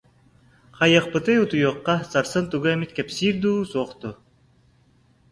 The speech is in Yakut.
Хайыахпытый, утуйуохха, сарсын тугу эмит кэпсиир дуу, суох дуу